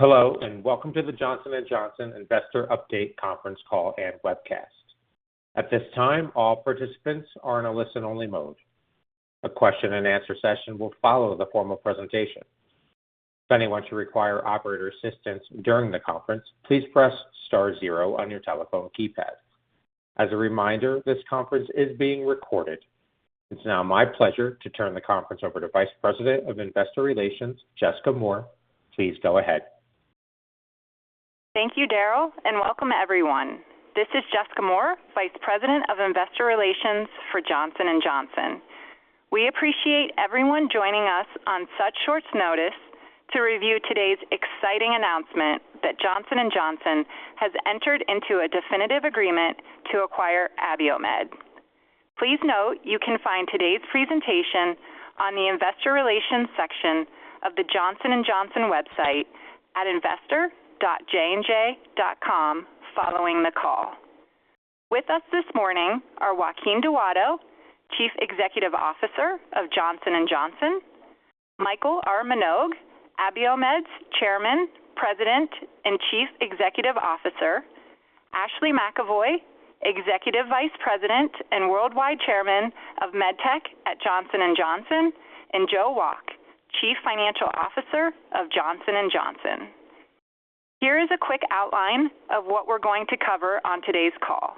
Hello, and welcome to the Johnson & Johnson investor update conference call and webcast. At this time, all participants are in a listen-only mode. A question and answer session will follow the formal presentation. If anyone should require operator assistance during the conference, please press star zero on your telephone keypad. As a reminder, this conference is being recorded. It's now my pleasure to turn the conference over to Vice President of Investor Relations, Jessica Moore. Please go ahead. Thank you, Daryl, and welcome everyone. This is Jessica Moore, Vice President of Investor Relations for Johnson & Johnson. We appreciate everyone joining us on such short notice to review today's exciting announcement that Johnson & Johnson has entered into a definitive agreement to acquire Abiomed. Please note you can find today's presentation on the investor relations section of the Johnson & Johnson website at investor.jnj.com following the call. With us this morning are Joaquin Duato, Chief Executive Officer of Johnson & Johnson, Michael R. Minogue, Abiomed's Chairman, President, and Chief Executive Officer, Ashley McEvoy, Executive Vice President and Worldwide Chairman of MedTech at Johnson & Johnson, and Joe Wolk, Chief Financial Officer of Johnson & Johnson. Here is a quick outline of what we're going to cover on today's call.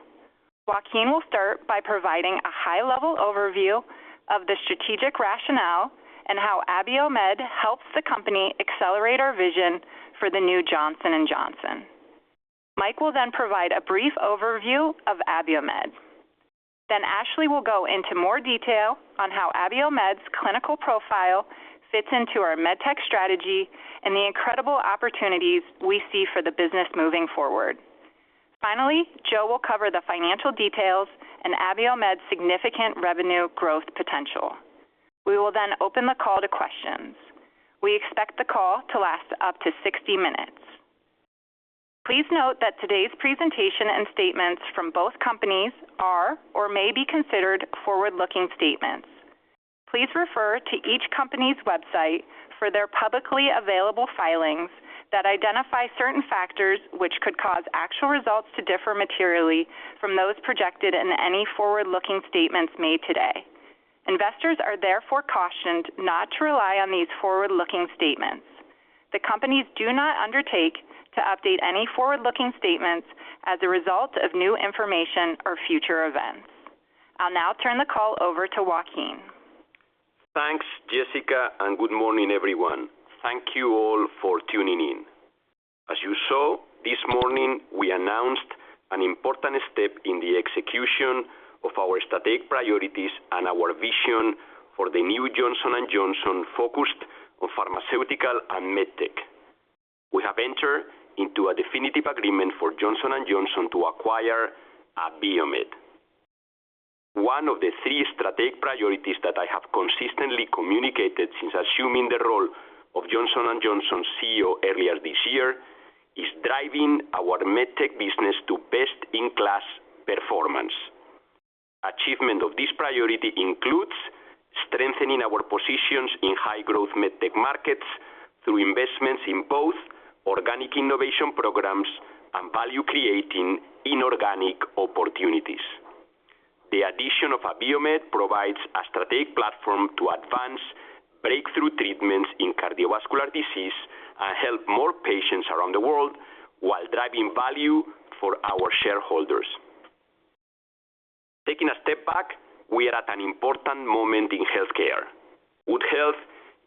Joaquin will start by providing a high-level overview of the strategic rationale and how Abiomed helps the company accelerate our vision for the new Johnson & Johnson. Mike will then provide a brief overview of Abiomed. Ashley will go into more detail on how Abiomed's clinical profile fits into our MedTech strategy and the incredible opportunities we see for the business moving forward. Finally, Joe will cover the financial details and Abiomed's significant revenue growth potential. We will then open the call to questions. We expect the call to last up to 60 minutes. Please note that today's presentation and statements from both companies are or may be considered forward-looking statements. Please refer to each company's website for their publicly available filings that identify certain factors which could cause actual results to differ materially from those projected in any forward-looking statements made today. Investors are therefore cautioned not to rely on these forward-looking statements. The companies do not undertake to update any forward-looking statements as a result of new information or future events. I'll now turn the call over to Joaquin. Thanks, Jessica, and good morning, everyone. Thank you all for tuning in. As you saw this morning, we announced an important step in the execution of our strategic priorities and our vision for the new Johnson & Johnson focused on pharmaceutical and MedTech. We have entered into a definitive agreement for Johnson & Johnson to acquire Abiomed. One of the three strategic priorities that I have consistently communicated since assuming the role of Johnson & Johnson CEO earlier this year is driving our MedTech business to best-in-class performance. Achievement of this priority includes strengthening our positions in high-growth MedTech markets through investments in both organic innovation programs and value-creating inorganic opportunities. The addition of Abiomed provides a strategic platform to advance breakthrough treatments in cardiovascular disease and help more patients around the world while driving value for our shareholders. Taking a step back, we are at an important moment in healthcare. Good health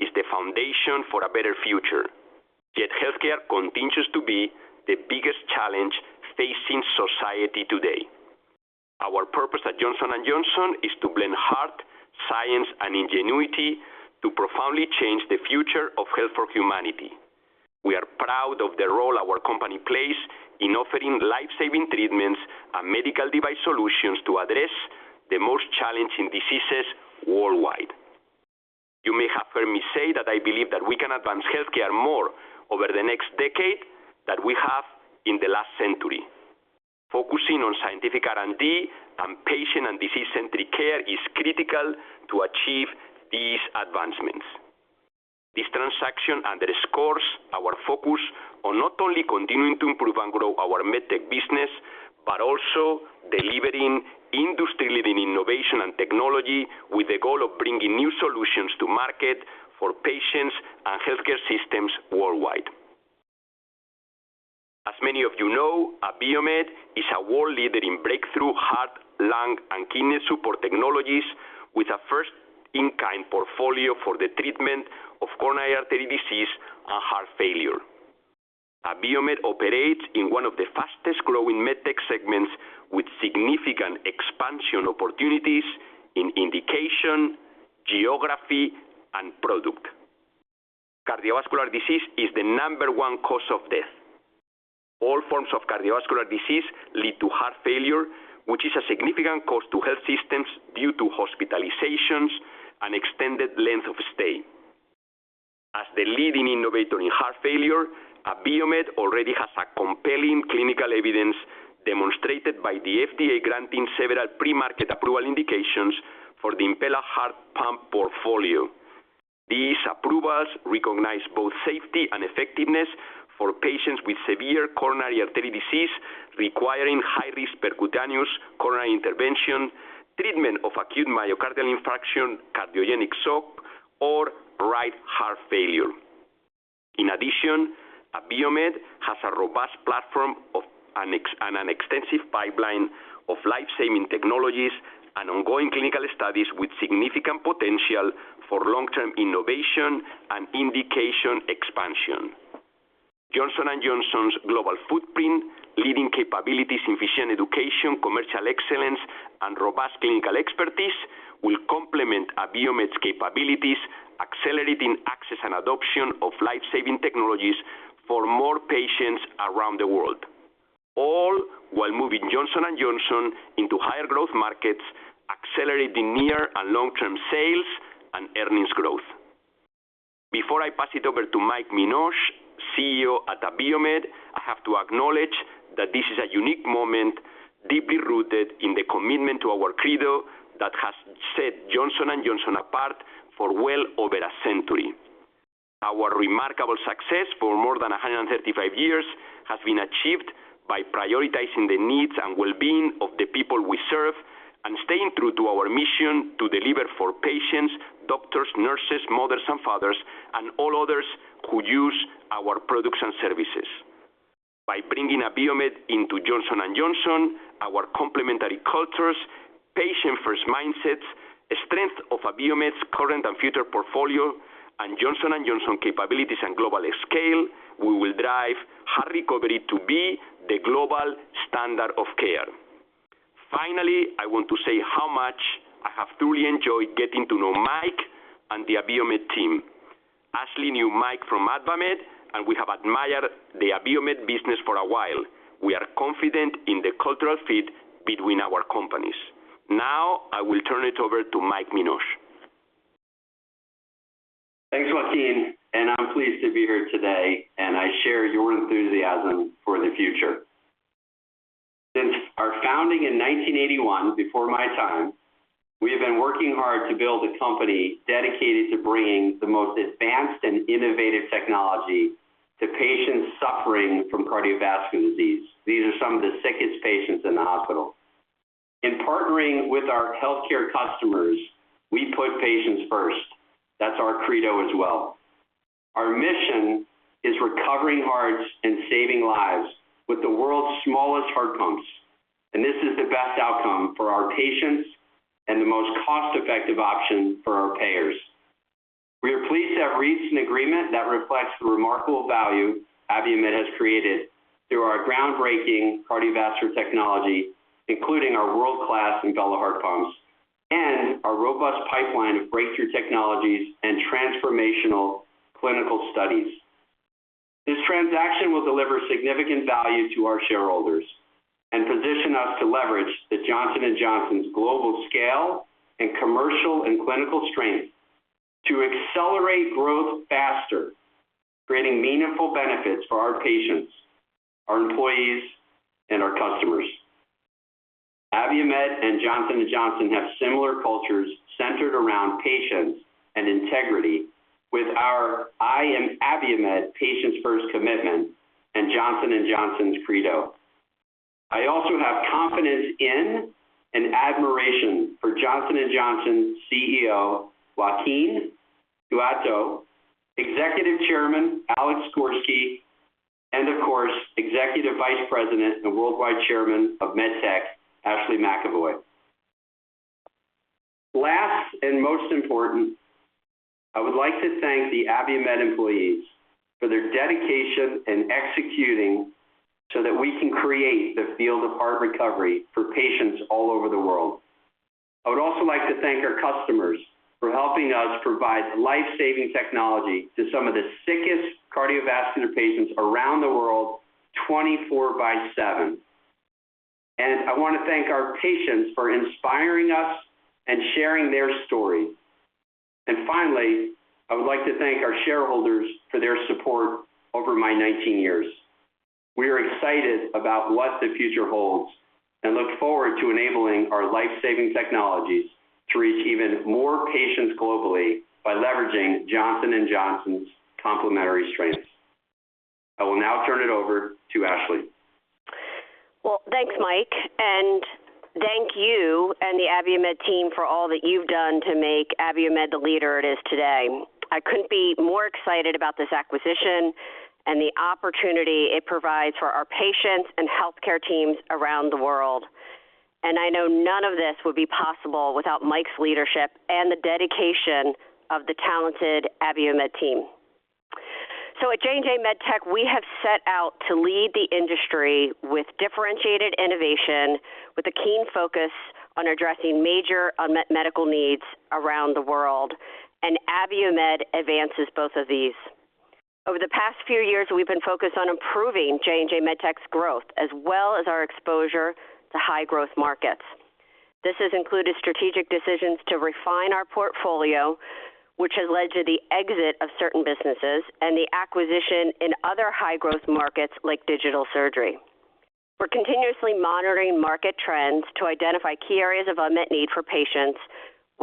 is the foundation for a better future, yet healthcare continues to be the biggest challenge facing society today. Our purpose at Johnson & Johnson is to blend heart, science, and ingenuity to profoundly change the future of health for humanity. We are proud of the role our company plays in offering life-saving treatments and medical device solutions to address the most challenging diseases worldwide. You may have heard me say that I believe that we can advance healthcare more over the next decade than we have in the last century. Focusing on scientific R&D and patient and disease-centric care is critical to achieve these advancements. This transaction underscores our focus on not only continuing to improve and grow our MedTech business, but also delivering industry-leading innovation and technology with the goal of bringing new solutions to market for patients and healthcare systems worldwide. As many of you know, Abiomed is a world leader in breakthrough heart, lung, and kidney support technologies with a first-in-kind portfolio for the treatment of coronary artery disease and heart failure. Abiomed operates in one of the fastest-growing MedTech segments with significant expansion opportunities in indication, geography, and product. Cardiovascular disease is the number one cause of death. All forms of cardiovascular disease lead to heart failure, which is a significant cost to health systems due to hospitalizations and extended length of stay. As the leading innovator in heart failure, Abiomed already has compelling clinical evidence demonstrated by the FDA granting several premarket approval indications for the Impella heart pump portfolio. These approvals recognize both safety and effectiveness for patients with severe coronary artery disease requiring high-risk percutaneous coronary intervention, treatment of acute myocardial infarction, cardiogenic shock, or right heart failure. In addition, Abiomed has a robust platform of an extensive pipeline of life-saving technologies and ongoing clinical studies with significant potential for long-term innovation and indication expansion. Johnson & Johnson's global footprint, leading capabilities in patient education, commercial excellence, and robust clinical expertise will complement Abiomed's capabilities, accelerating access and adoption of life-saving technologies for more patients around the world, all while moving Johnson & Johnson into higher growth markets, accelerating near and long-term sales and earnings growth. Before I pass it over to Mike Minogue, CEO at Abiomed, I have to acknowledge that this is a unique moment, deeply rooted in the commitment to our credo that has set Johnson & Johnson apart for well over a century. Our remarkable success for more than 135 years has been achieved by prioritizing the needs and well-being of the people we serve and staying true to our mission to deliver for patients, doctors, nurses, mothers and fathers, and all others who use our products and services. By bringing Abiomed into Johnson & Johnson, our complementary cultures, patient first mindsets, the strength of Abiomed's current and future portfolio, and Johnson & Johnson capabilities and global scale, we will drive heart recovery to be the global standard of care. Finally, I want to say how much I have truly enjoyed getting to know Mike and the Abiomed team. Ashley knew Mike from AdvaMed, and we have admired the Abiomed business for a while. We are confident in the cultural fit between our companies. Now I will turn it over to Mike Minogue. Thanks, Joaquin, and I'm pleased to be here today, and I share your enthusiasm for the future. Since our founding in 1981, before my time, we have been working hard to build a company dedicated to bringing the most advanced and innovative technology to patients suffering from cardiovascular disease. These are some of the sickest patients in the hospital. In partnering with our healthcare customers, we put patients first. That's our credo as well. Our mission is recovering hearts and saving lives with the world's smallest heart pumps, and this is the best outcome for our patients and the most cost-effective option for our payers. We are pleased to have reached an agreement that reflects the remarkable value Abiomed has created through our groundbreaking cardiovascular technology, including our world-class Impella heart pumps and our robust pipeline of breakthrough technologies and transformational clinical studies. This transaction will deliver significant value to our shareholders and position us to leverage Johnson & Johnson's global scale and commercial and clinical strength to accelerate growth faster, creating meaningful benefits for our patients, our employees, and our customers. Abiomed and Johnson & Johnson have similar cultures centered around patients and integrity with our I Am Abiomed Patients First Commitment and Johnson & Johnson's Credo. I also have confidence in and admiration for Johnson & Johnson's CEO, Joaquin Duato, Executive Chairman, Alex Gorsky, and of course, Executive Vice President and Worldwide Chairman of MedTech, Ashley McEvoy. Last and most important, I would like to thank the Abiomed employees for their dedication in executing so that we can create the field of heart recovery for patients all over the world. I would also like to thank our customers for helping us provide life-saving technology to some of the sickest cardiovascular patients around the world 24/7. I wanna thank our patients for inspiring us and sharing their story. Finally, I would like to thank our shareholders for their support over my 19 years. We are excited about what the future holds and look forward to enabling our life-saving technologies to reach even more patients globally by leveraging Johnson & Johnson's complementary strengths. I will now turn it over to Ashley. Well, thanks, Mike, and thank you and the Abiomed team for all that you've done to make Abiomed the leader it is today. I couldn't be more excited about this acquisition and the opportunity it provides for our patients and healthcare teams around the world. I know none of this would be possible without Mike's leadership and the dedication of the talented Abiomed team. At J&J MedTech, we have set out to lead the industry with differentiated innovation with a keen focus on addressing major unmet medical needs around the world, and Abiomed advances both of these. Over the past few years, we've been focused on improving J&J MedTech's growth as well as our exposure to high-growth markets. This has included strategic decisions to refine our portfolio, which has led to the exit of certain businesses and the acquisition in other high-growth markets like digital surgery. We're continuously monitoring market trends to identify key areas of unmet need for patients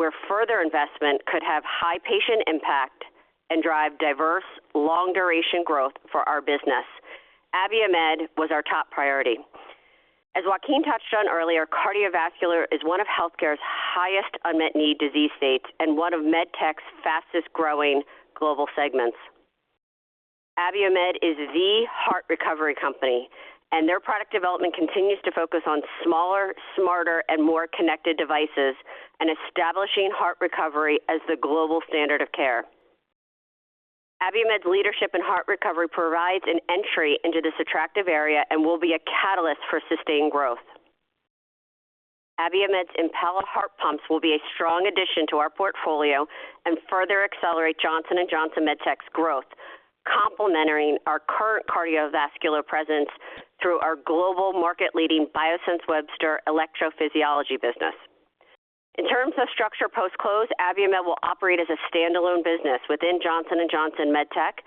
where further investment could have high patient impact and drive diverse long duration growth for our business. Abiomed was our top priority. As Joaquin touched on earlier, cardiovascular is one of healthcare's highest unmet need disease states and one of MedTech's fastest growing global segments. Abiomed is the heart recovery company, and their product development continues to focus on smaller, smarter, and more connected devices and establishing heart recovery as the global standard of care. Abiomed's leadership in heart recovery provides an entry into this attractive area and will be a catalyst for sustained growth. Abiomed's Impella heart pumps will be a strong addition to our portfolio and further accelerate Johnson & Johnson MedTech's growth, complementing our current cardiovascular presence through our global market leading Biosense Webster electrophysiology business. In terms of structure post-close, Abiomed will operate as a standalone business within Johnson & Johnson MedTech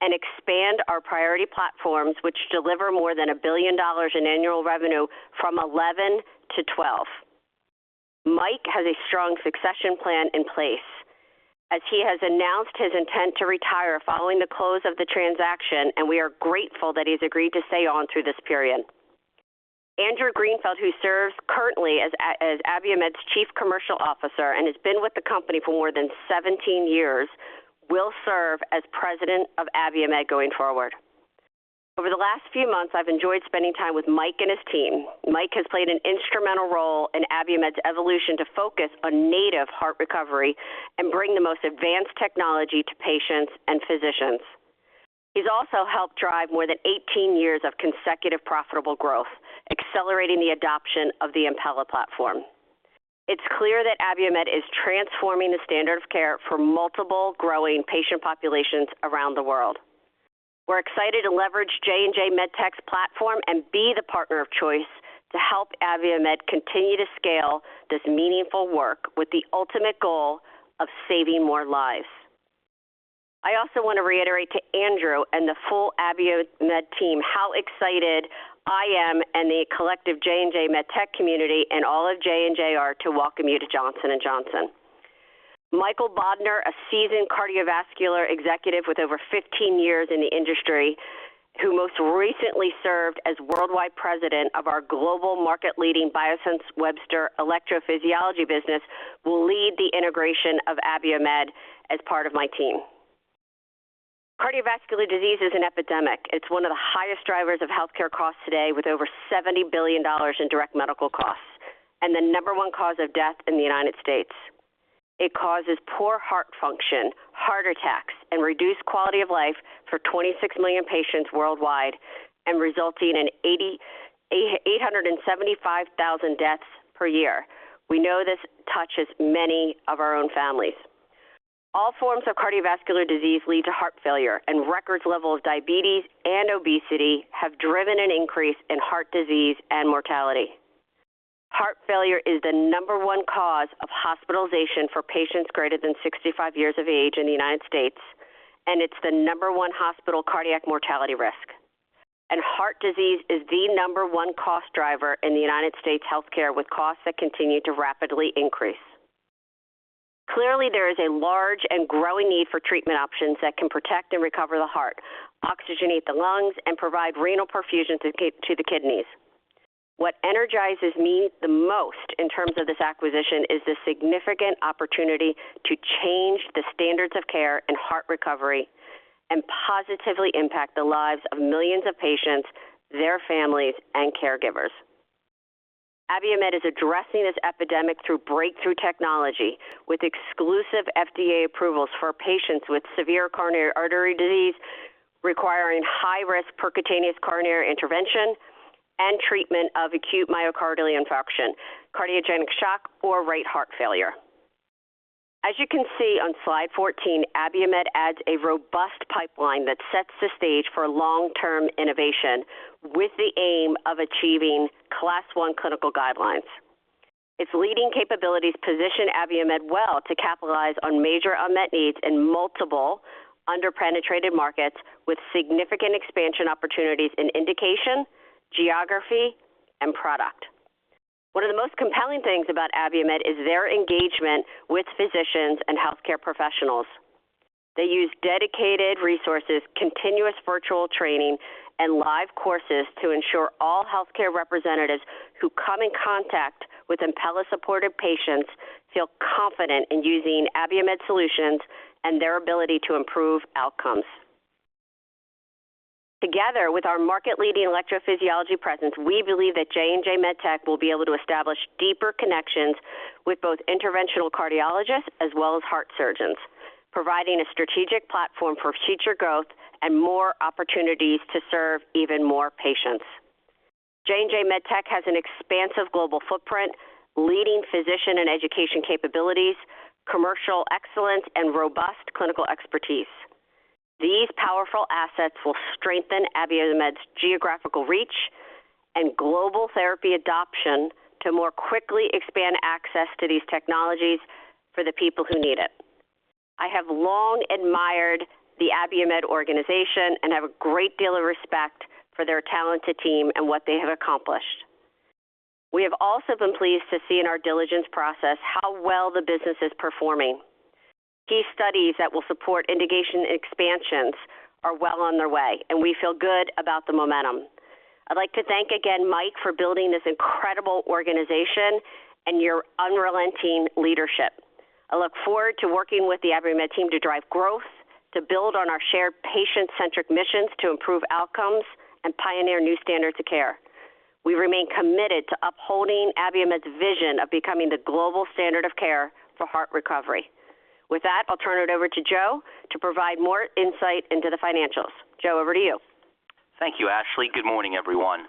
and expand our priority platforms, which deliver more than $1 billion in annual revenue from 11 to 12. Mike has a strong succession plan in place as he has announced his intent to retire following the close of the transaction, and we are grateful that he's agreed to stay on through this period. Andrew Greenfield, who serves currently as Abiomed's chief commercial officer and has been with the company for more than 17 years, will serve as president of Abiomed going forward. Over the last few months, I've enjoyed spending time with Mike and his team. Mike has played an instrumental role in Abiomed's evolution to focus on native heart recovery and bring the most advanced technology to patients and physicians. He's also helped drive more than 18 years of consecutive profitable growth, accelerating the adoption of the Impella platform. It's clear that Abiomed is transforming the standard of care for multiple growing patient populations around the world. We're excited to leverage J&J MedTech's platform and be the partner of choice to help Abiomed continue to scale this meaningful work with the ultimate goal of saving more lives. I also want to reiterate to Andrew and the full Abiomed team how excited I am and the collective J&J MedTech community and all of J&J are to welcome you to Johnson & Johnson. Michael Bodner, a seasoned cardiovascular executive with over 15 years in the industry, who most recently served as worldwide president of our global market leading Biosense Webster electrophysiology business, will lead the integration of Abiomed as part of my team. Cardiovascular disease is an epidemic. It's one of the highest drivers of healthcare costs today, with over $70 billion in direct medical costs and the number one cause of death in the United States. It causes poor heart function, heart attacks, and reduced quality of life for 26 million patients worldwide and resulting in 875,000 deaths per year. We know this touches many of our own families. All forms of cardiovascular disease lead to heart failure, and record levels of diabetes and obesity have driven an increase in heart disease and mortality. Heart failure is the number one cause of hospitalization for patients greater than 65 years of age in the United States, and it's the number one hospital cardiac mortality risk. Heart disease is the number one cost driver in the United States healthcare, with costs that continue to rapidly increase. Clearly, there is a large and growing need for treatment options that can protect and recover the heart, oxygenate the lungs, and provide renal perfusion to the kidneys. What energizes me the most in terms of this acquisition is the significant opportunity to change the standards of care and heart recovery and positively impact the lives of millions of patients, their families, and caregivers. Abiomed is addressing this epidemic through breakthrough technology with exclusive FDA approvals for patients with severe coronary artery disease requiring high-risk percutaneous coronary intervention and treatment of acute myocardial infarction, cardiogenic shock, or right heart failure. As you can see on slide 14, Abiomed adds a robust pipeline that sets the stage for long-term innovation with the aim of achieving Class I clinical guidelines. Its leading capabilities position Abiomed well to capitalize on major unmet needs in multiple under-penetrated markets with significant expansion opportunities in indication, geography, and product. One of the most compelling things about Abiomed is their engagement with physicians and healthcare professionals. They use dedicated resources, continuous virtual training, and live courses to ensure all healthcare representatives who come in contact with Impella-supported patients feel confident in using Abiomed solutions and their ability to improve outcomes. Together with our market-leading electrophysiology presence, we believe that J&J MedTech will be able to establish deeper connections with both interventional cardiologists as well as heart surgeons, providing a strategic platform for future growth and more opportunities to serve even more patients. J&J MedTech has an expansive global footprint, leading physician and education capabilities, commercial excellence, and robust clinical expertise. These powerful assets will strengthen Abiomed's geographical reach and global therapy adoption to more quickly expand access to these technologies for the people who need it. I have long admired the Abiomed organization and have a great deal of respect for their talented team and what they have accomplished. We have also been pleased to see in our diligence process how well the business is performing. Key studies that will support indication expansions are well on their way, and we feel good about the momentum. I'd like to thank again, Mike, for building this incredible organization and your unrelenting leadership. I look forward to working with the Abiomed team to drive growth, to build on our shared patient-centric missions to improve outcomes and pioneer new standards of care. We remain committed to upholding Abiomed's vision of becoming the global standard of care for heart recovery. With that, I'll turn it over to Joe to provide more insight into the financials. Joe, over to you. Thank you, Ashley. Good morning, everyone.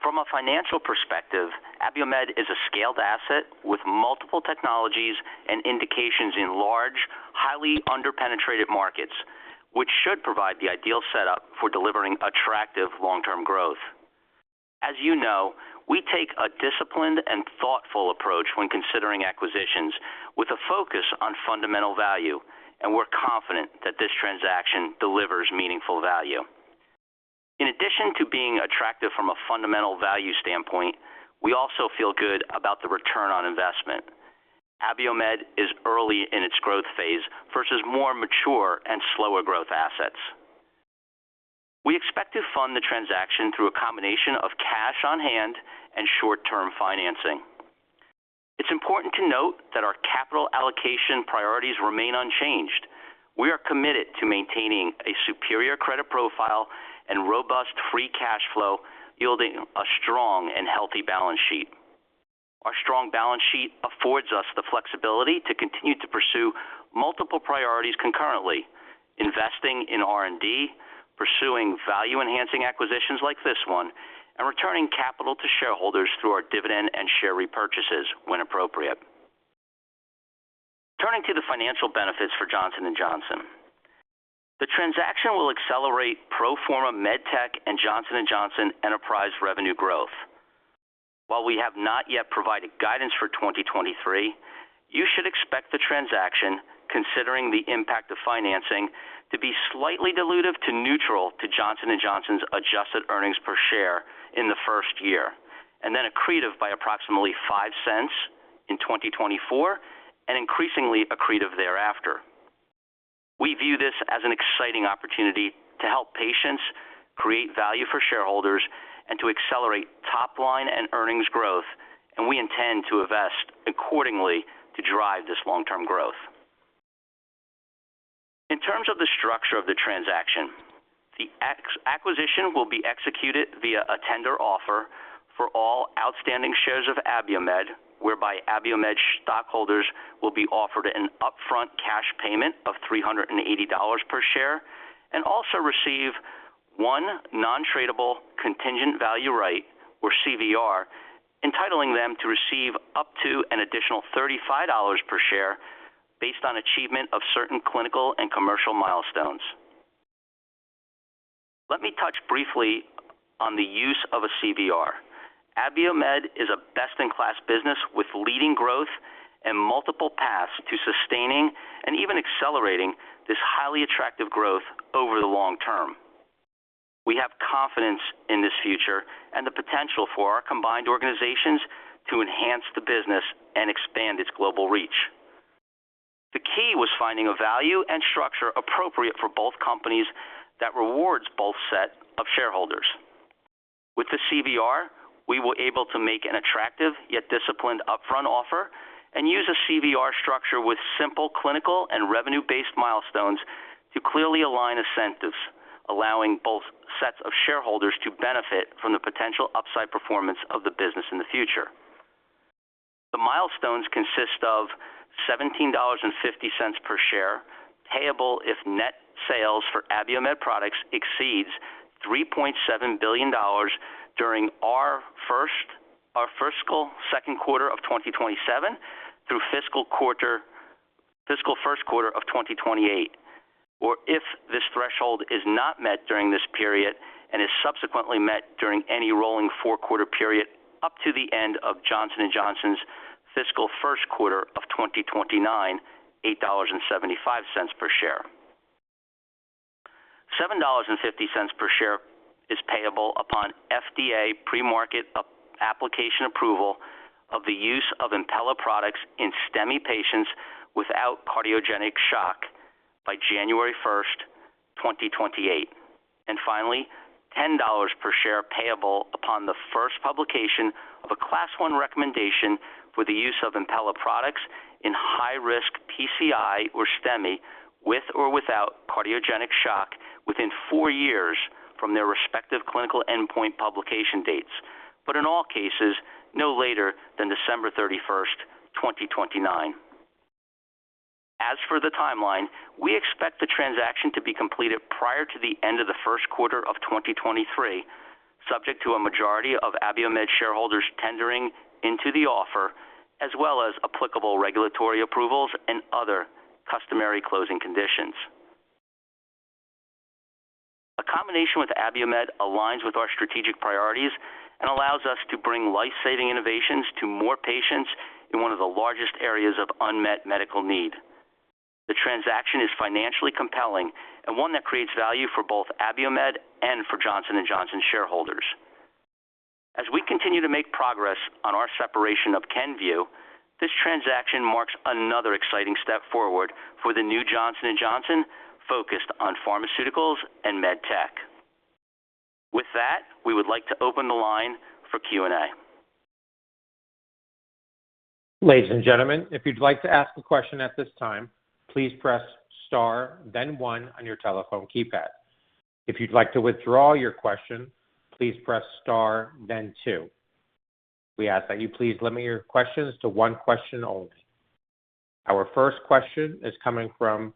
From a financial perspective, Abiomed is a scaled asset with multiple technologies and indications in large, highly under-penetrated markets, which should provide the ideal setup for delivering attractive long-term growth. As you know, we take a disciplined and thoughtful approach when considering acquisitions with a focus on fundamental value, and we're confident that this transaction delivers meaningful value. In addition to being attractive from a fundamental value standpoint, we also feel good about the return on investment. Abiomed is early in its growth phase versus more mature and slower growth assets. We expect to fund the transaction through a combination of cash on hand and short-term financing. It's important to note that our capital allocation priorities remain unchanged. We are committed to maintaining a superior credit profile and robust free cash flow, yielding a strong and healthy balance sheet. Our strong balance sheet affords us the flexibility to continue to pursue multiple priorities concurrently, investing in R&D, pursuing value-enhancing acquisitions like this one, and returning capital to shareholders through our dividend and share repurchases when appropriate. Turning to the financial benefits for Johnson & Johnson. The transaction will accelerate pro forma MedTech and Johnson & Johnson enterprise revenue growth. While we have not yet provided guidance for 2023, you should expect the transaction, considering the impact of financing, to be slightly dilutive to neutral to Johnson & Johnson's adjusted earnings per share in the first year, and then accretive by approximately $0.05 in 2024 and increasingly accretive thereafter. We view this as an exciting opportunity to help patients create value for shareholders and to accelerate top-line and earnings growth, and we intend to invest accordingly to drive this long-term growth. In terms of the structure of the transaction, the acquisition will be executed via a tender offer for all outstanding shares of Abiomed, whereby Abiomed stockholders will be offered an upfront cash payment of $380 per share and also receive one non-tradable contingent value right, or CVR, entitling them to receive up to an additional $35 per share based on achievement of certain clinical and commercial milestones. Let me touch briefly on the use of a CVR. Abiomed is a best-in-class business with leading growth and multiple paths to sustaining and even accelerating this highly attractive growth over the long term. We have confidence in this future and the potential for our combined organizations to enhance the business and expand its global reach. The key was finding a value and structure appropriate for both companies that rewards both sets of shareholders. With the CVR, we were able to make an attractive yet disciplined upfront offer and use a CVR structure with simple clinical and revenue-based milestones to clearly align incentives, allowing both sets of shareholders to benefit from the potential upside performance of the business in the future. The milestones consist of $17.50 per share, payable if net sales for Abiomed products exceeds $3.7 billion during our fiscal second quarter of 2027 through fiscal first quarter of 2028, or if this threshold is not met during this period and is subsequently met during any rolling four-quarter period up to the end of Johnson & Johnson's fiscal first quarter of 2029, $8.75 per share. $7.50 per share is payable upon FDA pre-market application approval of the use of Impella products in STEMI patients without cardiogenic shock by January 1st, 2028. Finally, $10 per share payable upon the first publication of a Class I recommendation for the use of Impella products in high-risk PCI or STEMI, with or without cardiogenic shock, within four years from their respective clinical endpoint publication dates. In all cases, no later than December 31st, 2029. As for the timeline, we expect the transaction to be completed prior to the end of the first quarter of 2023, subject to a majority of Abiomed shareholders tendering into the offer, as well as applicable regulatory approvals and other customary closing conditions. Combination with Abiomed aligns with our strategic priorities and allows us to bring life-saving innovations to more patients in one of the largest areas of unmet medical need. The transaction is financially compelling and one that creates value for both Abiomed and for Johnson & Johnson shareholders. As we continue to make progress on our separation of Kenvue, this transaction marks another exciting step forward for the new Johnson & Johnson focused on pharmaceuticals and med tech. With that, we would like to open the line for Q&A. Ladies and gentlemen, if you'd like to ask a question at this time, please press Star then one on your telephone keypad. If you'd like to withdraw your question, please press Star then two. We ask that you please limit your questions to one question only. Our first question is coming from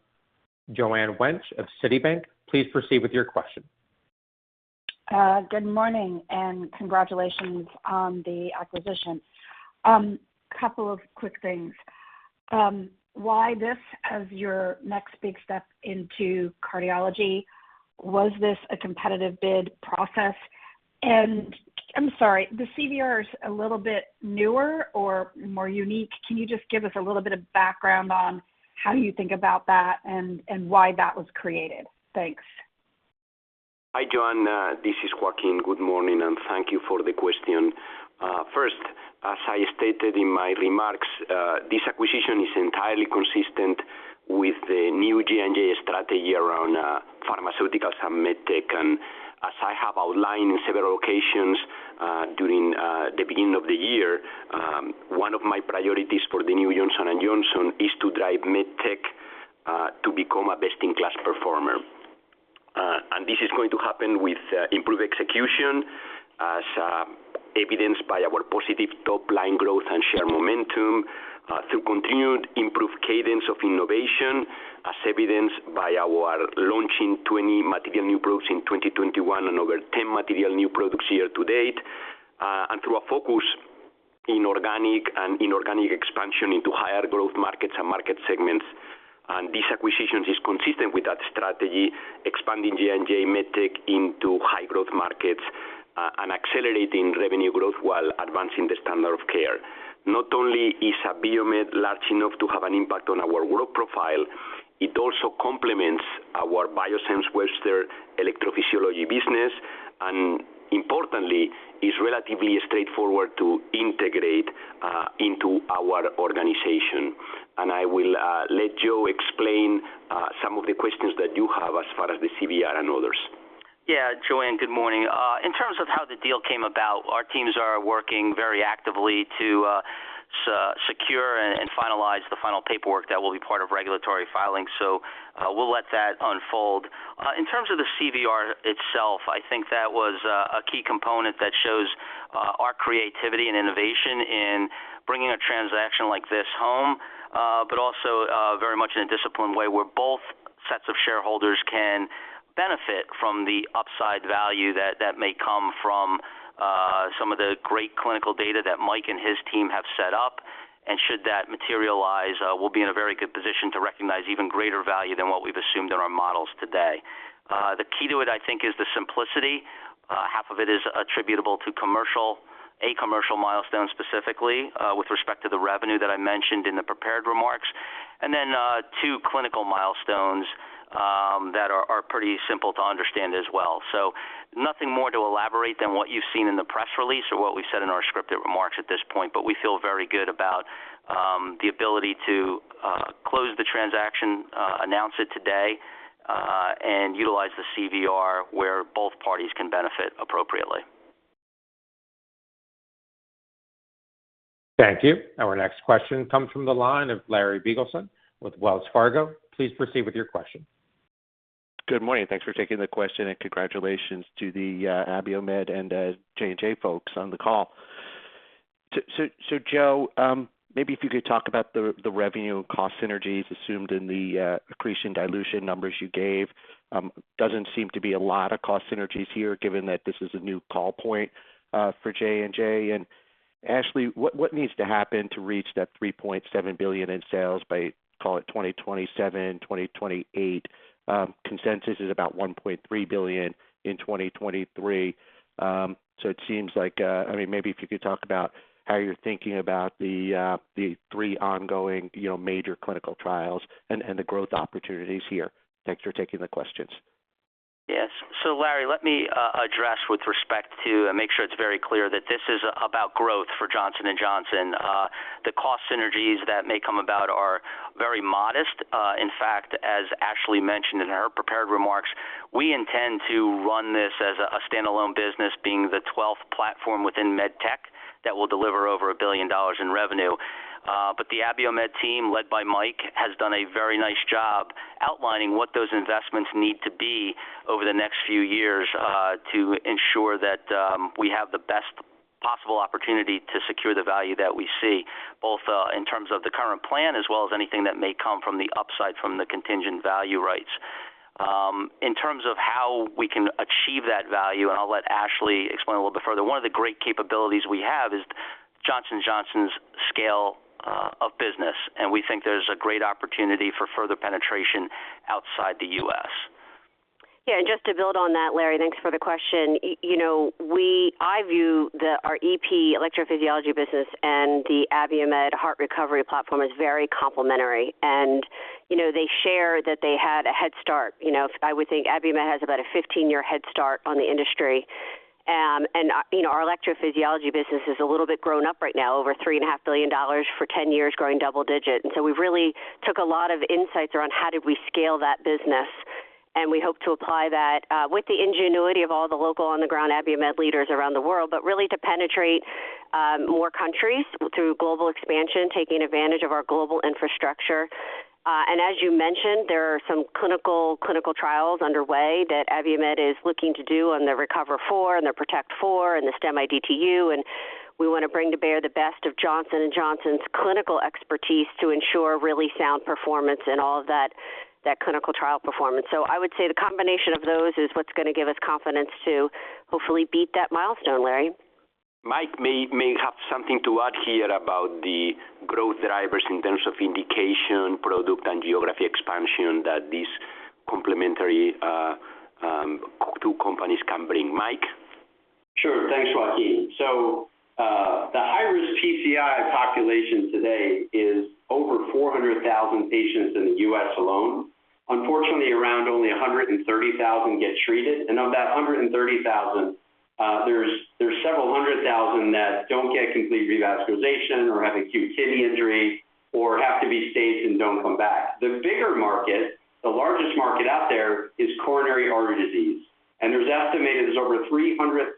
Joanne Wuensch of Citi. Please proceed with your question. Good morning and congratulations on the acquisition. Couple of quick things. Why this as your next big step into cardiology? Was this a competitive bid process? I'm sorry, the CVR is a little bit newer or more unique. Can you just give us a little bit of background on how you think about that and why that was created? Thanks. Hi, Joanne. This is Joaquin. Good morning, and thank you for the question. First, as I stated in my remarks, this acquisition is entirely consistent with the new J&J strategy around pharmaceuticals and MedTech. As I have outlined in several occasions during the beginning of the year, one of my priorities for the new Johnson & Johnson is to drive MedTech to become a best-in-class performer. This is going to happen with improved execution as evidenced by our positive top line growth and share momentum through continued improved cadence of innovation as evidenced by our launching 20 material new products in 2021 and over 10 material new products year to date and through a focus in organic and inorganic expansion into higher growth markets and market segments. This acquisition is consistent with that strategy, expanding J&J MedTech into high-growth markets, and accelerating revenue growth while advancing the standard of care. Not only is Abiomed large enough to have an impact on our world profile, it also complements our Biosense Webster electrophysiology business, and importantly, is relatively straightforward to integrate into our organization. I will let Joe explain some of the questions that you have as far as the CVR and others. Yeah. Joanne, good morning. In terms of how the deal came about, our teams are working very actively to secure and finalize the final paperwork that will be part of regulatory filings. We'll let that unfold. In terms of the CVR itself, I think that was a key component that shows our creativity and innovation in bringing a transaction like this home, but also very much in a disciplined way where both sets of shareholders can benefit from the upside value that may come from some of the great clinical data that Mike and his team have set up. Should that materialize, we'll be in a very good position to recognize even greater value than what we've assumed in our models today. The key to it, I think, is the simplicity. Half of it is attributable to commercial, a commercial milestone specifically, with respect to the revenue that I mentioned in the prepared remarks, and then, two clinical milestones, that are pretty simple to understand as well. Nothing more to elaborate than what you've seen in the press release or what we said in our scripted remarks at this point. We feel very good about the ability to close the transaction, announce it today, and utilize the CVR where both parties can benefit appropriately. Thank you. Our next question comes from the line of Larry Biegelsen with Wells Fargo. Please proceed with your question. Good morning. Thanks for taking the question, and congratulations to the Abiomed and J&J folks on the call. Joe, maybe if you could talk about the revenue cost synergies assumed in the accretion dilution numbers you gave. Doesn't seem to be a lot of cost synergies here given that this is a new call point for J&J. Ashley, what needs to happen to reach that $3.7 billion in sales by, call it 2027, 2028? Consensus is about $1.3 billion in 2023. It seems like I mean, maybe if you could talk about how you're thinking about the three ongoing, you know, major clinical trials and the growth opportunities here. Thanks for taking the questions. Yes. Larry, let me address with respect to and make sure it's very clear that this is about growth for Johnson & Johnson. The cost synergies that may come about are very modest. In fact, as Ashley mentioned in her prepared remarks, we intend to run this as a standalone business, being the 12th platform within med tech that will deliver over $1 billion in revenue. The Abiomed team, led by Mike, has done a very nice job outlining what those investments need to be over the next few years, to ensure that we have the best possible opportunity to secure the value that we see, both in terms of the current plan as well as anything that may come from the upside from the contingent value rights. In terms of how we can achieve that value, and I'll let Ashley explain a little bit further, one of the great capabilities we have is Johnson & Johnson's scale of business. We think there's a great opportunity for further penetration outside the U.S. Yeah, just to build on that, Larry, thanks for the question. You know, I view our EP, electrophysiology business and the Abiomed heart recovery platform as very complementary. You know, they share that they had a head start. You know, I would think Abiomed has about a 15-year head start on the industry. You know, our electrophysiology business is a little bit grown up right now, over $3.5 billion for 10 years growing double digit. We really took a lot of insights around how did we scale that business. We hope to apply that with the ingenuity of all the local on-the-ground Abiomed leaders around the world. Really to penetrate more countries through global expansion, taking advantage of our global infrastructure. As you mentioned, there are some clinical trials underway that Abiomed is looking to do on the RECOVER IV and the PROTECT IV and the STEMI DTU. We want to bring to bear the best of Johnson & Johnson's clinical expertise to ensure really sound performance in all of that clinical trial performance. I would say the combination of those is what's going to give us confidence to hopefully beat that milestone, Larry. Mike may have something to add here about the growth drivers in terms of indication, product, and geography expansion that these complementary two companies can bring. Mike? Sure. Thanks, Joaquin. The high-risk PCI population today is over 400,000 patients in the U.S. alone. Unfortunately, around only 130,000 get treated. Of that 130,000, there's several hundred thousand that don't get complete revascularization or have acute kidney injury or have to be staged and don't come back. The bigger market, the largest market out there is coronary artery disease. There's estimated over 300,000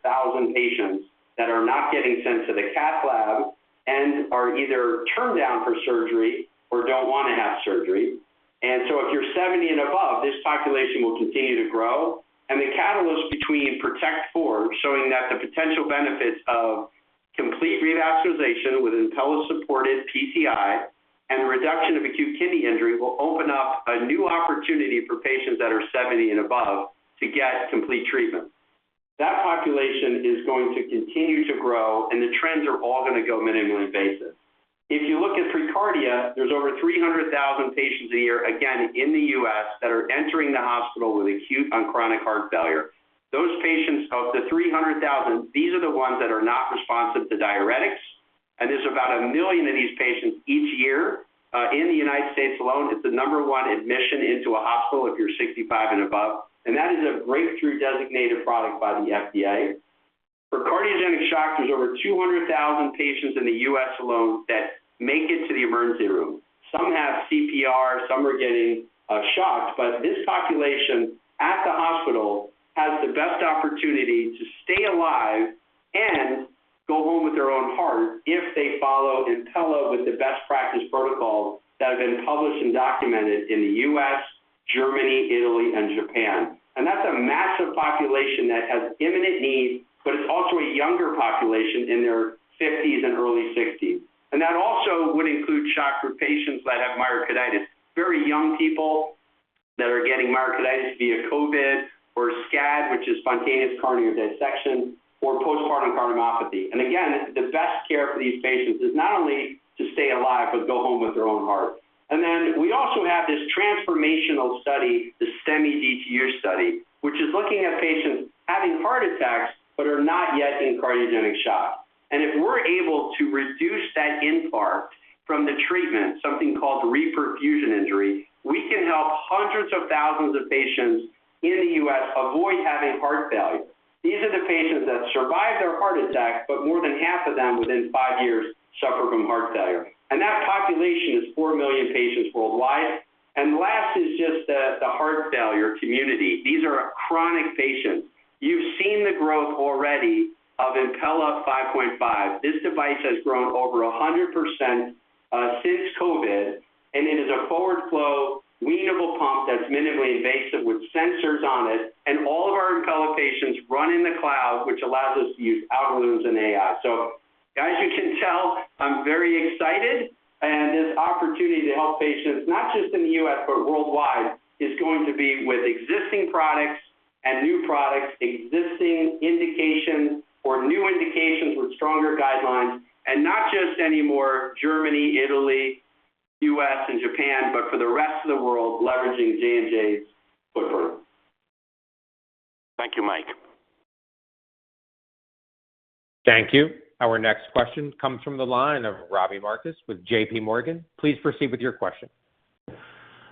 patients that are not getting sent to the cath lab and are either turned down for surgery or don't want to have surgery. If you're 70 and above, this population will continue to grow. The catalyst between PROTECT IV, showing that the potential benefits of complete revascularization with Impella-supported PCI and the reduction of acute kidney injury will open up a new opportunity for patients that are 70 and above to get complete treatment. That population is going to continue to grow, and the trends are all going to go minimally invasive. If you look at reCARDIO, there's over 300,000 patients a year, again, in the U.S. that are entering the hospital with acute and chronic heart failure. Those patients, of the 300,000, these are the ones that are not responsive to diuretics. There's about 1 million of these patients each year, in the United States alone. It's the number one admission into a hospital if you're 65 and above. That is a breakthrough-designated product by the FDA. For cardiogenic shock, there's over 200,000 patients in the U.S. alone that make it to the emergency room. Some have CPR, some are getting shocks, but this population at the hospital has the best opportunity to stay alive and go home with their own heart if they follow Impella with the best practice protocol that have been published and documented in the U.S., Germany, Italy, and Japan. That's a massive population that has imminent needs, but it's also a younger population in their fifties and early sixties. That also would include shock for patients that have myocarditis. Very young people that are getting myocarditis via COVID or SCAD, which is Spontaneous Coronary Artery Dissection, or postpartum cardiomyopathy. Again, the best care for these patients is not only to stay alive, but go home with their own heart. We also have this transformational study, the STEMI DTU study, which is looking at patients having heart attacks but are not yet in cardiogenic shock. If we're able to reduce that infarct from the treatment, something called reperfusion injury, we can help hundreds of thousands of patients in the U.S. avoid having heart failure. These are the patients that survive their heart attack, but more than half of them within five years suffer from heart failure. That population is 4 million patients worldwide. Last is just the heart failure community. These are chronic patients. You've seen the growth already of Impella 5.5. This device has grown over 100% since COVID, and it is a forward flow weanable pump that's minimally invasive with sensors on it. All of our Impella patients run in the cloud, which allows us to use algorithms and AI. As you can tell, I'm very excited. This opportunity to help patients, not just in the U.S., but worldwide, is going to be with existing products and new products, existing indications or new indications with stronger guidelines. Not just anymore Germany, Italy, U.S., and Japan, but for the rest of the world, leveraging J&J's footprint. Thank you, Mike. Thank you. Our next question comes from the line of Robbie Marcus with JPMorgan. Please proceed with your question.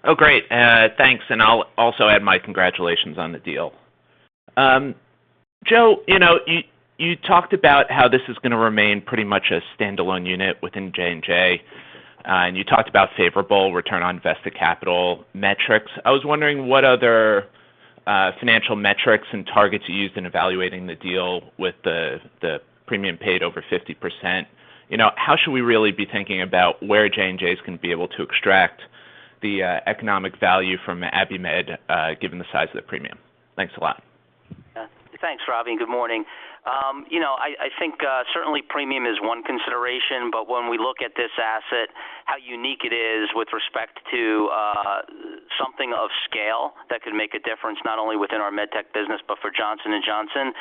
Oh, great. Thanks. I'll also add my congratulations on the deal. Joe, you talked about how this is going to remain pretty much a standalone unit within J&J, and you talked about favorable return on invested capital metrics. I was wondering what other financial metrics and targets you used in evaluating the deal with the premium paid over 50%. How should we really be thinking about where J&J is going to be able to extract the economic value from Abiomed, given the size of the premium? Thanks a lot. Yeah. Thanks, Robbie, and good morning. You know, I think certainly premium is one consideration, but when we look at this asset, how unique it is with respect to something of scale that could make a difference not only within our MedTech business, but for Johnson & Johnson.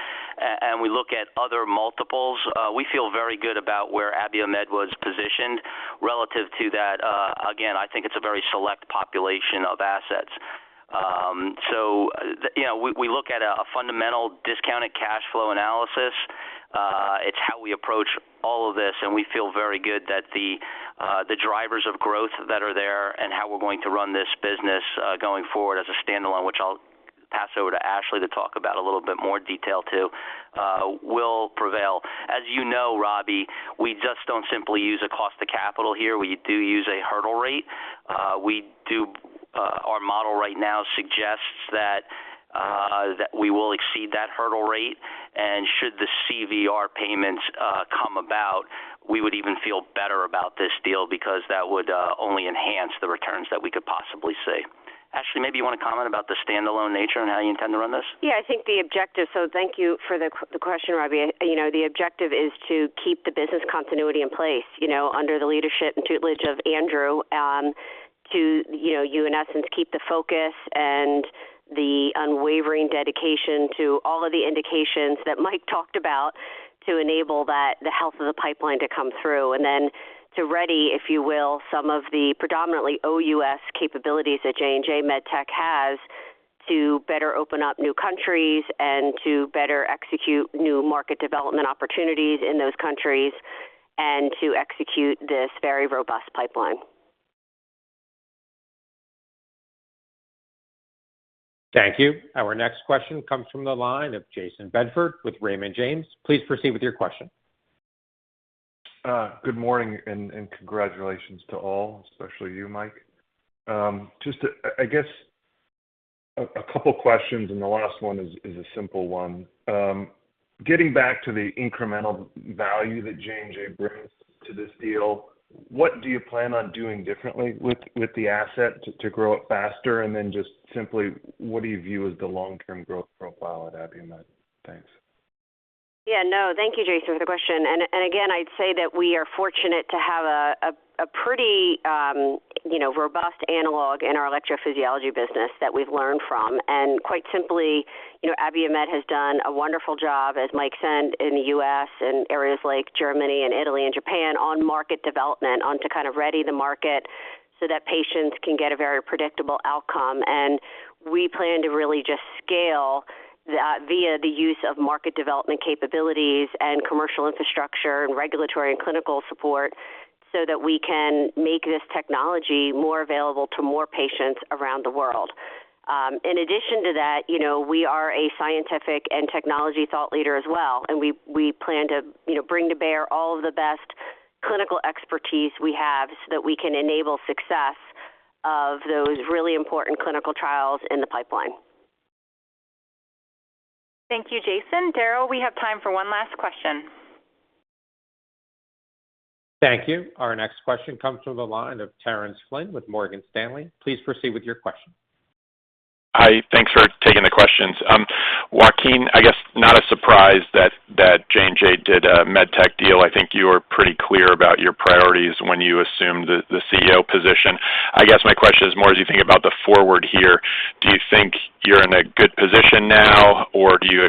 We look at other multiples. We feel very good about where Abiomed was positioned relative to that. Again, I think it's a very select population of assets. So, you know, we look at a fundamental discounted cash flow analysis. It's how we approach all of this, and we feel very good that the drivers of growth that are there and how we're going to run this business going forward as a standalone, which I'll pass over to Ashley to talk about a little bit more detail too, will prevail. As you know, Robbie, we just don't simply use a cost of capital here. We do use a hurdle rate. Our model right now suggests that we will exceed that hurdle rate. Should the CVR payments come about, we would even feel better about this deal because that would only enhance the returns that we could possibly see. Ashley, maybe you wanna comment about the standalone nature and how you intend to run this. Thank you for the question, Robbie. You know, the objective is to keep the business continuity in place, you know, under the leadership and tutelage of Andrew, to you know, you in essence keep the focus and the unwavering dedication to all of the indications that Mike talked about to enable that, the health of the pipeline to come through. Then to ready, if you will, some of the predominantly OUS capabilities that J&J MedTech has to better open up new countries and to better execute new market development opportunities in those countries and to execute this very robust pipeline. Thank you. Our next question comes from the line of Jayson Bedford with Raymond James. Please proceed with your question. Good morning and congratulations to all, especially you, Mike. I guess a couple questions, and the last one is a simple one. Getting back to the incremental value that J&J brings to this deal, what do you plan on doing differently with the asset to grow it faster? Then just simply, what do you view as the long-term growth profile at Abiomed? Thanks. Yeah, no, thank you, Jason, for the question. Again, I'd say that we are fortunate to have a pretty, you know, robust analog in our electrophysiology business that we've learned from. Quite simply, you know, Abiomed has done a wonderful job, as Mike said, in the U.S. and areas like Germany and Italy and Japan on market development to kind of ready the market so that patients can get a very predictable outcome. We plan to really just scale via the use of market development capabilities and commercial infrastructure and regulatory and clinical support so that we can make this technology more available to more patients around the world. In addition to that, you know, we are a scientific and technology thought leader as well, and we plan to, you know, bring to bear all of the best clinical expertise we have so that we can enable success of those really important clinical trials in the pipeline. Thank you, Jayson. Daryl, we have time for one last question. Thank you. Our next question comes from the line of Terence Flynn with Morgan Stanley. Please proceed with your question. Hi. Thanks for taking the questions. Joaquin, I guess not a surprise that J&J did a MedTech deal. I think you were pretty clear about your priorities when you assumed the CEO position. I guess my question is more as you think about the future here, do you think you're in a good position now, or you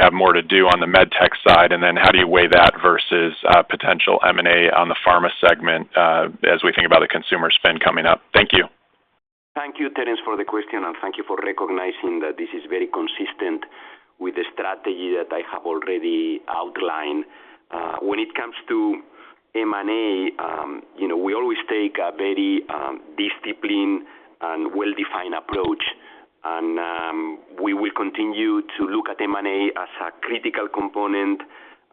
have more to do on the MedTech side? How do you weigh that versus potential M&A on the pharma segment as we think about the consumer spend coming up? Thank you. Thank you, Terence, for the question, and thank you for recognizing that this is very consistent with the strategy that I have already outlined. When it comes to M&A, you know, we always take a very, disciplined and well-defined approach. We will continue to look at M&A as a critical component,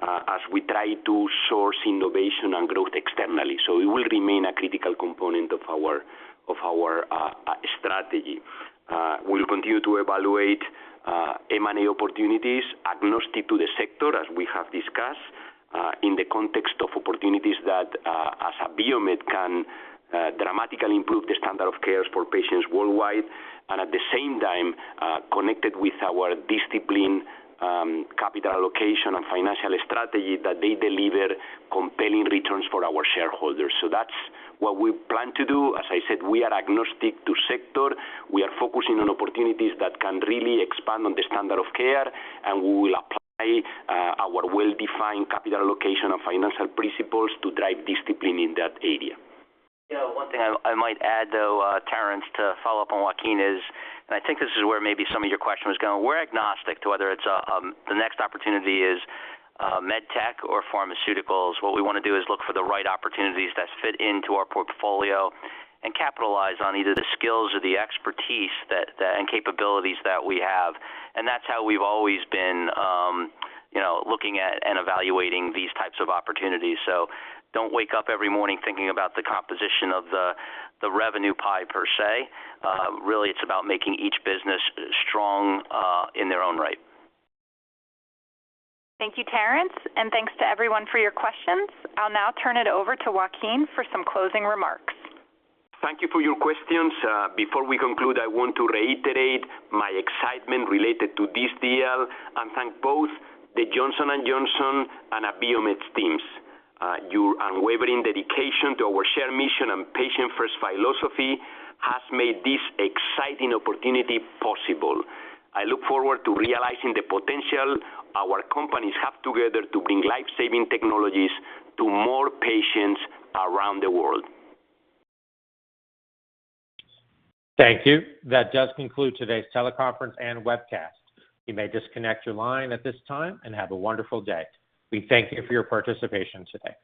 as we try to source innovation and growth externally. It will remain a critical component of our strategy. We'll continue to evaluate, M&A opportunities agnostic to the sector, as we have discussed, in the context of opportunities that, as Abiomed can, dramatically improve the standard of care for patients worldwide, and at the same time, connected with our disciplined, capital allocation and financial strategy that they deliver compelling returns for our shareholders. That's what we plan to do. As I said, we are agnostic to sector. We are focusing on opportunities that can really expand on the standard of care, and we will apply our well-defined capital allocation and financial principles to drive discipline in that area. You know, one thing I might add, though, Terence, to follow up on Joaquin is, and I think this is where maybe some of your question was going. We're agnostic to whether it's the next opportunity is MedTech or pharmaceuticals. What we wanna do is look for the right opportunities that fit into our portfolio and capitalize on either the skills or the expertise that, and capabilities that we have. And that's how we've always been, you know, looking at and evaluating these types of opportunities. Don't wake up every morning thinking about the composition of the revenue pie per se. Really it's about making each business strong, in their own right. Thank you, Terence, and thanks to everyone for your questions. I'll now turn it over to Joaquin for some closing remarks. Thank you for your questions. Before we conclude, I want to reiterate my excitement related to this deal and thank both the Johnson & Johnson and Abiomed teams. Your unwavering dedication to our shared mission and patient first philosophy has made this exciting opportunity possible. I look forward to realizing the potential our companies have together to bring life-saving technologies to more patients around the world. Thank you. That does conclude today's teleconference and webcast. You may disconnect your line at this time and have a wonderful day. We thank you for your participation today.